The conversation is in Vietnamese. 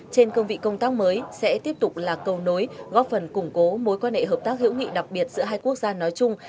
trên cương vị công tác mới sẽ tiếp tục là cầu nối góp phần củng cố mối quan hệ hợp tác hữu nghị đặc biệt giữa hai quốc gia nói chung